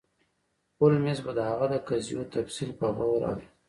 هولمز به د هغه د قضیو تفصیل په غور اوریده.